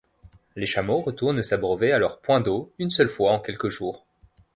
Les chameaux retournent s'abreuver à leur point d'eau une seule fois en quelques jours.